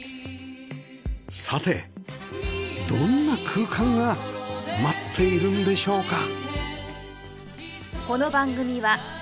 さてどんな空間が待っているんでしょうか？